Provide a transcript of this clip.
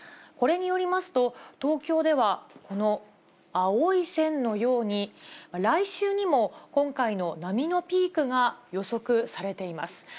これによりますと、東京では、この青い線のように、来週にも今回の波のピークが予測されています。